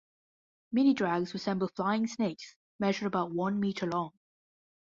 Minidrags resemble flying snakes, measure about one meter long.